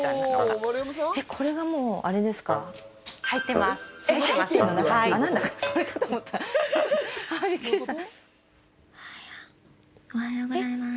おはようおはようございます。